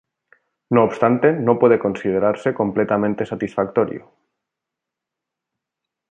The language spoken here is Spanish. No obstante, no puede considerarse completamente satisfactorio.